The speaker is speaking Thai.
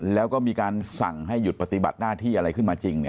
แล้วก็มีการสั่งให้หยุดปฏิบัติหน้าที่อะไรขึ้นมาจริง